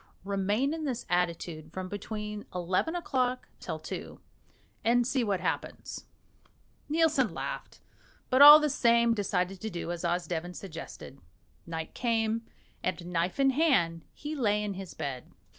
Remain in this attitude from between eleven o'clock till two, and see what happens." Nielsen laughed, but all the same decided to do as Osdeven suggested. Night came, and, knife in hand, he lay in his bed.